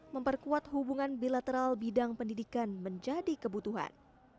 memperkuat hubungan bilateral bidang pendidikan menjadi kebutuhan